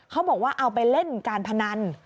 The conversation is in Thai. เขาบอกว่าเอาไปเล่นการพนัน